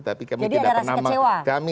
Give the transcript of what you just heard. jadi ada rasa kecewa